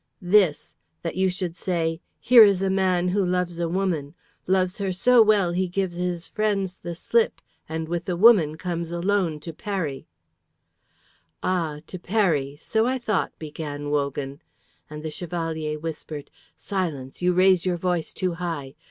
"This! That you should say, 'Here is a man who loves a woman, loves her so well he gives his friends the slip, and with the woman comes alone to Peri.'" "Ah. To Peri! So I thought," began Wogan, and the Chevalier whispered, "Silence! You raise your voice too high.